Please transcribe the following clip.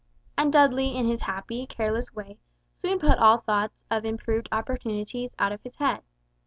And Dudley in his happy, careless way soon put all thoughts of improved opportunities out of his head.